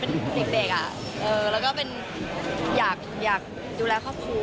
เป็นเด็กแล้วก็เป็นอยากดูแลครอบครัว